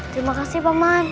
terima kasih paman